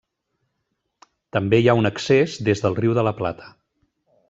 També hi ha un accés des del Riu de la Plata.